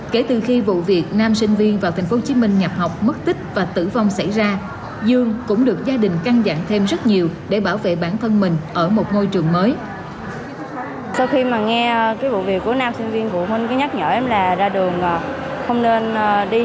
kể từ khi vụ việc nam sinh viên vào thành phố hồ chí minh nhập học mất tích và tử vong xảy ra dương cũng được gia đình căng dặn thêm rất nhiều để bảo vệ bản thân mình ở một ngôi trường mới